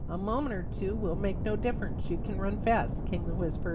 "A moment or two will make no difference. You can run fast," came the whisper again.